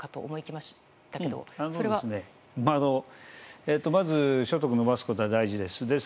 まず所得を伸ばすことは大事です。